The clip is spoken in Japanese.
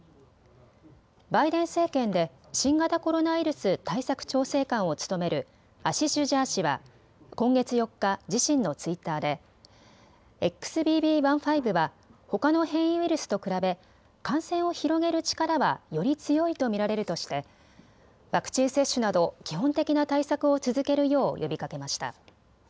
バイデン政権で新型コロナウイルス対策調整官を務めるアシシュ・ジャー氏は今月４日、自身のツイッターでＸＢＢ．１．５はほかの変異ウイルスと比べ感染を広げる力はより強いと見られるとしてワクチン接種など基本的な対策を続けるよう呼びかけました。